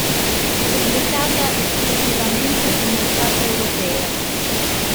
Pubblicata esclusivamente sul mercato europeo.